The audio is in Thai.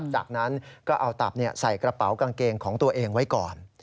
จากนั้นก็เอาตับใส่กระเป๋ากางเกงของตัวเองไว้ก่อน